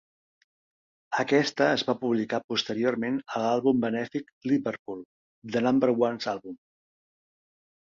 Aquesta es va publicar posteriorment a l'àlbum benèfic "Liverpool - The Number Ones Album".